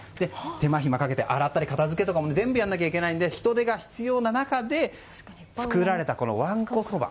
手間暇かけて、洗ったり片付けとかも全部やらなきゃいけないので人手が必要な中で作られたわんこそば。